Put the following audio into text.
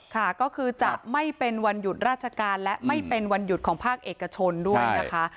ค่ะก็คือจะไม่เป็นวันหยุดราชการและไม่เป็นวันหยุดของภาคเอกชนด้วยนะคะ